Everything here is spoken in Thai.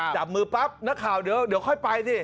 จับมือปั๊บนักข่าวเดี๋ยวค่อยไปสิ